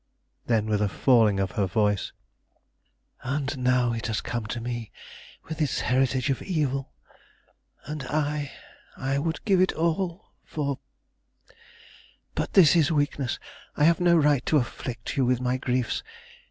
Then, with a falling of her voice: "And now it has come to me with its heritage of evil, and I I would give it all for But this is weakness! I have no right to afflict you with my griefs.